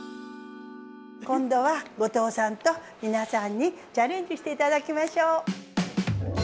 今度は後藤さんと皆さんにチャレンジして頂きましょう。